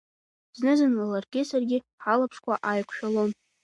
Зны-зынла, ларгьы саргьы ҳалаԥшқәа ааиқәшәалон.